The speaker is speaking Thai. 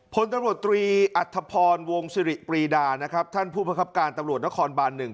พลตำรวจตรีอัธพรวงสิริปรีดานะครับท่านผู้ประคับการตำรวจนครบานหนึ่ง